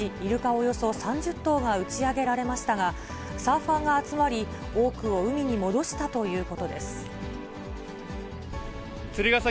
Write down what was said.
およそ３０頭が打ち上げられましたが、サーファーが集まり、多くを海に戻したという釣ヶ崎